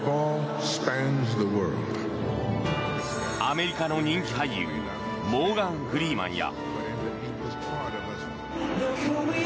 アメリカの人気俳優モーガン・フリーマンや。